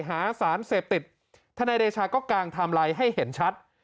หาสารเสพติดทนายเดชาก็กางไทม์ไลน์ให้เห็นชัด